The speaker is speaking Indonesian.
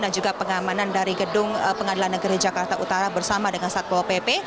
dan juga pengamanan dari gedung pengadilan negeri jakarta utara bersama dengan satwa opp